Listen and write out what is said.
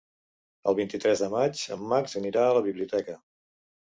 El vint-i-tres de maig en Max anirà a la biblioteca.